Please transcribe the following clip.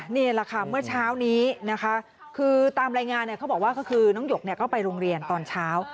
นี่แหละค่ะเมื่อเช้านี้นะคะคือตามรายงานเขาบอกว่าก็คือน้องหยกก็ไปโรงเรียนตอนเช้า